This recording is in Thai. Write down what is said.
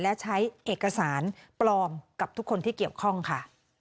และใช้เอกสารปลอมกับทุกคนที่เกี่ยวข้องค่ะ